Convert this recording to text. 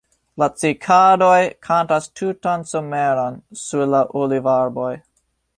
La cikadoj kantas tutan someron sur la olivarboj.